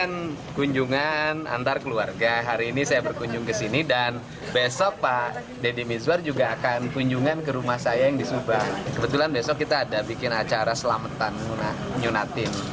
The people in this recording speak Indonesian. rencananya kedua calon yang belum menentukan siapa yang berposisi sebagai cagup dan cawagup tersebut akan mendeklarasikan maju di kontestasi pilgub jawa barat periode dua ribu delapan belas dua ribu dua puluh tiga pada sembilan januari mendatang